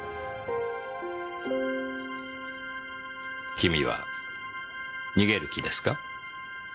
君は逃げる気ですか？